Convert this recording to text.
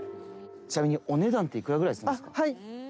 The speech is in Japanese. ちなみにお値段って幾らぐらいするんですか？